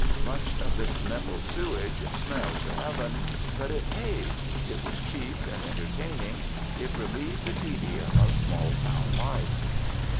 Much of this mental sewage smelled to heaven. But it paid. It was cheap and entertaining. It relieved the tedium of small town life.